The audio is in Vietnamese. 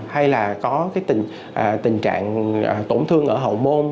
hay là có cái tình trạng tổn thương ở hậu môn